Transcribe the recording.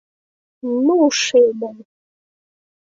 Ну, шельма!..